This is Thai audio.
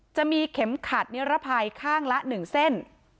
จะมีเข็มขัดนิรภัยข้างละ๑เส้น